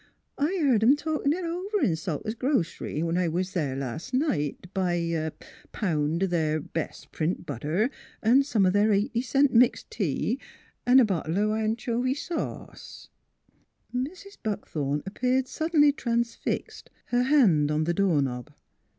... I beared 'em talkin' it over in Salter's groc'ry, when I was in there las' night t' buy a pound o' their best print butter an' some o' their eighty cent mixed tea 'n' a bottle o' an chovy sauce." Mrs. Buckthorn appeared suddenly transfixed, her hand on the door knob.